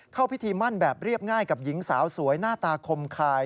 เข้าพิธีมั่นแบบเรียบง่ายกับหญิงสาวสวยหน้าตาคมคาย